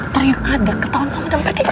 terima ada ketahuan sama dan paketnya